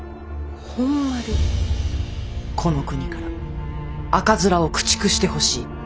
この国から赤面を駆逐してほしい。